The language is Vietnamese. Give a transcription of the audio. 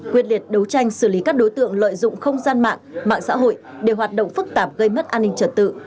quyết liệt đấu tranh xử lý các đối tượng lợi dụng không gian mạng mạng xã hội để hoạt động phức tạp gây mất an ninh trật tự